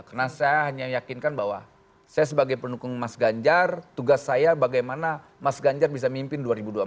karena saya hanya meyakinkan bahwa saya sebagai penukung mas ganjar tugas saya bagaimana mas ganjar bisa mimpin dua ribu dua puluh empat